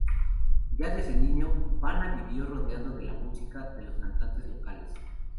Ya desde niño, Bana vivió rodeado de la música de los cantantes locales.